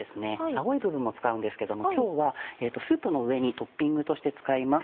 青い部分も使うんですけども今日はスープの上にトッピングとして使います。